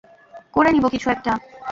করে নিব কিছু একটা।